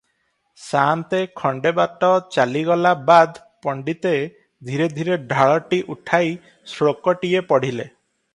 ସାଆନ୍ତେ ଖଣ୍ତେ ବାଟ ଚାଲିଗଲା ବାଦ୍ ପଣ୍ତିତେ ଧୀରେ ଧୀରେ ଢାଳଟି ଉଠାଇ ଶ୍ଳୋକଟିଏ ପଢ଼ିଲେ